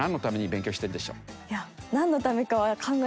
いやなんのためかは。